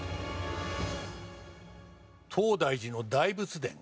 東大寺の大仏殿。